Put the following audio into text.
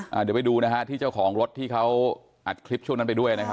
เดี๋ยวไปดูนะฮะที่เจ้าของรถที่เขาอัดคลิปช่วงนั้นไปด้วยนะครับ